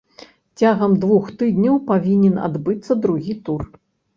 Цягам двух тыдняў павінен адбыцца другі тур.